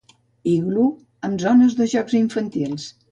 Iglú amb zones de jocs infantils.